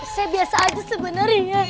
saya biasa aja sebenarnya